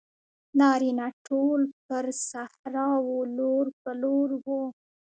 نارینه ټول پر صحرا وو لور په لور وو.